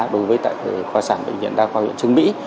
đối với tại khoa sản bệnh viện đa khoa huyện trưng mỹ